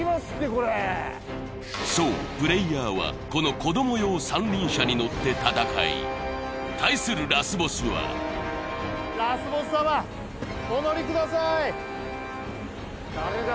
これそうプレイヤーはこの子ども用三輪車に乗って戦い対するラスボスは誰だ